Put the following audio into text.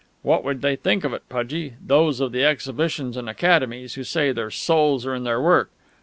"What would they think of it, Pudgie those of the exhibitions and academies, who say 'their souls are in their work'?